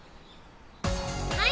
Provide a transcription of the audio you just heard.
はい！